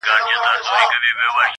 شپه تپېږم تر سهاره لکه مار پر زړه وهلی،